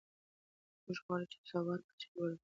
موږ غواړو چې د سواد کچه لوړه کړو.